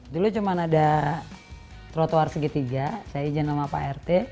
dulu cuma ada trotoar segitiga saya izin sama pak rt